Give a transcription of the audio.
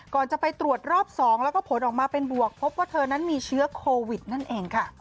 ก่อนจะไปตรวจรอบ๒แล้วก็ผลออกมาเป็นบวกพบว่าเธอนั้นมีเชื้อโควิดนั่นเองค่ะ